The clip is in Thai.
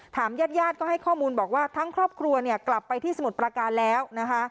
ญาติญาติก็ให้ข้อมูลบอกว่าทั้งครอบครัวเนี่ยกลับไปที่สมุทรประการแล้วนะคะ